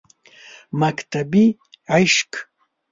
مکتبِ عشق